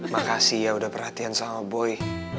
makasih ya udah perhatian sama boy